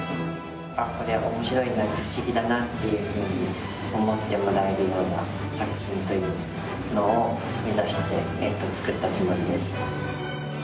あっこれ面白いな不思議だなっていうふうに思ってもらえるような作品というのを目指して作ったつもりです。